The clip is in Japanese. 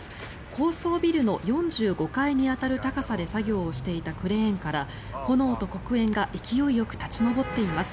高層ビルの４５階に当たる高さで作業をしていたクレーンから炎と黒煙が勢いよく立ち上っています。